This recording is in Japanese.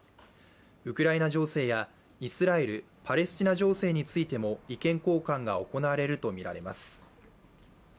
ウクライナ情勢やイスラエル・パレスチナ情勢についても意見交換が行われるとみられます。